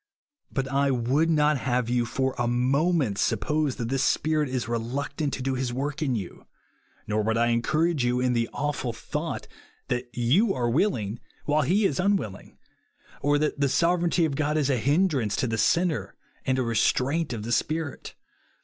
But I would not have you for a moment suppose that this Spirit is rel^ietarit to do his work in vou ; nor OUR RESTING PLACE. '31 would 1 encourage you in the awful thouglit, that you are willing while he is unwilling ; or that the sovereignty of God is a hindrance to the sinner, and a restraint of the Spirit.